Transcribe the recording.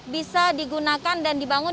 bisa digunakan dan dibangun